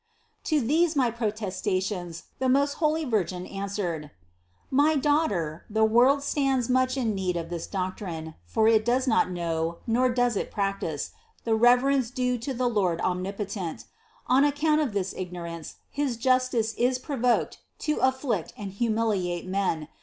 9. To these my protestations the most Holy Virgin answered : "My daughter, the world stands much in need of this doctrine, for it does not know, nor does it prac tice, the reverence due to the Lord omnipotent. On ac count of this ignorance his justice is provoked to afflict and humiliate men.